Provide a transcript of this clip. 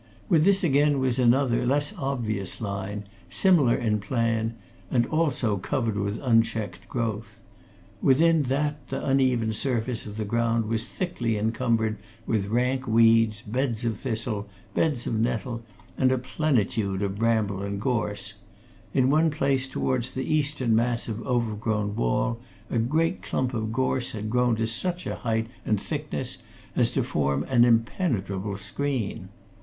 Within this again was another, less obvious line, similar in plan, and also covered with unchecked growth: within that the uneven surface of the ground was thickly encumbered with rank weeds, beds of thistle, beds of nettle, and a plenitude of bramble and gorse; in one place towards the eastern mass of overgrown wall, a great clump of gorse had grown to such a height and thickness as to form an impenetrable screen.